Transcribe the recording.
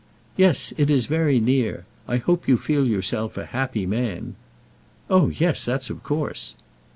"Yes, it is very near. I hope you feel yourself a happy man." "Oh, yes, that's of course."